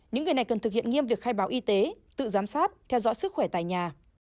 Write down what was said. những người này cần thực hiện nghiêm việc khai báo y tế tự giám sát theo dõi sức khỏe tại nhà